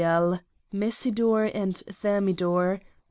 Messidor and Thermidor?